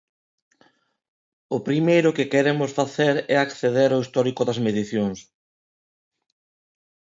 O primeiro que queremos facer é acceder ao histórico das medicións.